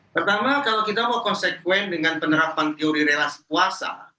pertama kalau kita mau konsekuen dengan penerapan teori relasi puasa